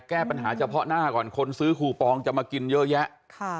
แก้ปัญหาเฉพาะหน้าก่อนคนซื้อคูปองจะมากินเยอะแยะ